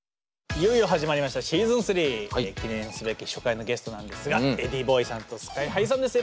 いよいよ始まりましたシーズン３記念すべき初回のゲストなんですがｅｄｈｉｉｉｂｏｉさんとＳＫＹ−ＨＩさんです。